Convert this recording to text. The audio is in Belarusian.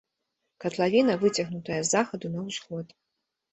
Катлавіна выцягнутая з захаду на ўсход.